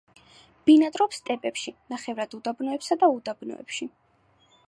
ბინადრობს სტეპებში, ნახევრად უდაბნოებსა და უდაბნოებში.